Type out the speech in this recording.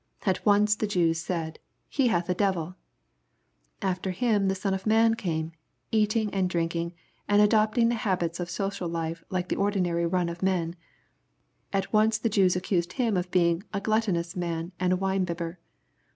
At once the Jews said, " he hath a deyilp'''^— 4 ftier him the Son of Man came, eating and drinkipjg, wd adoptipg habits of social life like the ordi nary run of men, At ouce the Jews accused Him of being *^a gluttonous man, and a wmebibber."